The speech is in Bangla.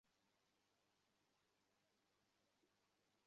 আমাদের শুঁকে ফেলেছে সে।